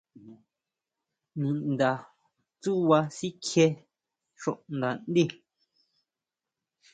Ninda tsúʼba sikjie xuʼnda ndí.